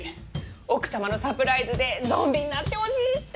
奥様のサプライズでゾンビになってほしいって。